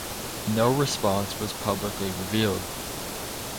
No response was publicly revealed.